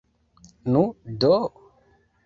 Nu, do?